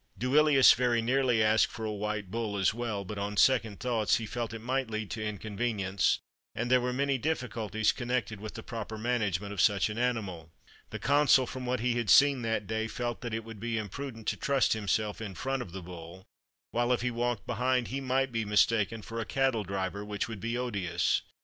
Duilius very nearly asked for a white bull as well; but, on second thoughts, he felt it might lead to inconvenience, and there were many difficulties connected with the proper management of such an animal. The Consul, from what he had seen that day, felt that it would be imprudent to trust himself in front of the bull, while, if he walked behind, he might be mistaken for a cattle driver, which would be odious.